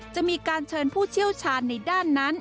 จะมีการเชิญผู้เชี่ยวชาญในด้านนั้น